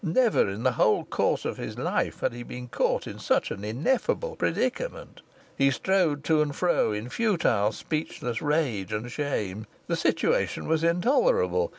Never in the whole course of his life had he been caught in such an ineffable predicament. He strode to and fro in futile speechless rage and shame. The situation was intolerable.